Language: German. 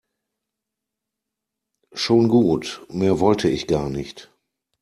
Schon gut, mehr wollte ich gar nicht.